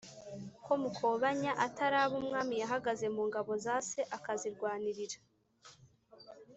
ko Mukobanya ataraba umwami yahagaze mu ngabo za se akazirwanirira